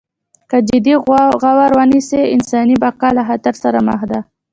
که جدي غور ونشي انساني بقا له خطر سره مخ ده.